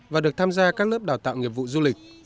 và được tham gia các lớp đào tạo nghiệp vụ du lịch